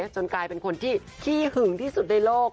จนกลายเป็นคนที่ขี้หึงที่สุดในโลก